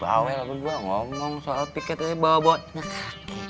bawel berdua ngomong soal piketnya bawa bawa nerake